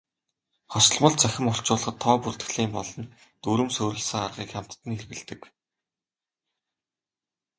Хосолмол цахим орчуулгад тоо бүртгэлийн болон дүрэм суурилсан аргыг хамтад нь хэрэглэдэг.